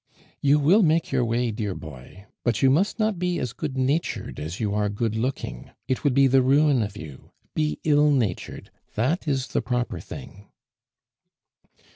"You will make your way, dear boy; but you must not be as good natured as you are good looking; it would be the ruin of you. Be ill natured, that is the proper thing."